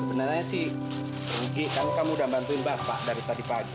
sebenarnya sih rugi kan kamu udah bantuin bapak dari tadi pagi